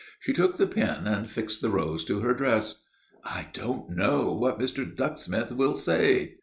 She took the pin and fixed the rose to her dress. "I don't know what Mr. Ducksmith will say."